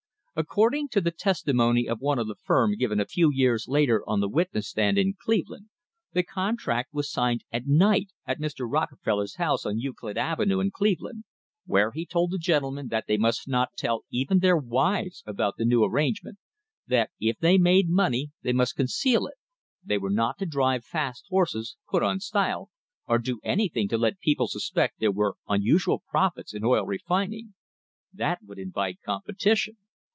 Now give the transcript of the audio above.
According to the testimony of one of the firm given a few years later on the witness stand in Cleveland the contract was signed at night at Mr. Rockefeller's house on Euclid Avenue in Cleveland, where he told the gentlemen that they must not tell even their wives about the new arrange ment, that if they made money they must conceal it — they were not to drive fast horses, "put on style," or do anything to let people suspect there were unusual profits in oil refin ing. That would invite competition.